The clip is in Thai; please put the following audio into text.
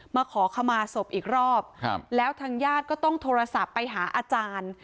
มาขอขมาศพอีกรอบครับแล้วทางญาติก็ต้องโทรศัพท์ไปหาอาจารย์